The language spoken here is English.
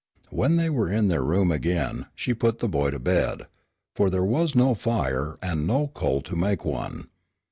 When they were in their room again she put the boy to bed, for there was no fire and no coal to make one.